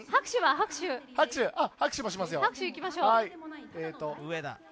拍手、いきましょう。